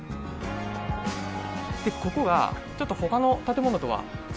ここがちょっと他の建物とは違って。